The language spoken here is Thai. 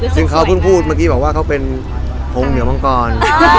ซึ่งเค้าพูดเมื่อนี้บอกว่าเค้าเป็นฮงเหนียวมังกร